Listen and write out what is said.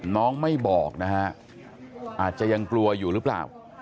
น้องไม่บอกนะฮะอาจจะยังกลัวอยู่หรือเปล่า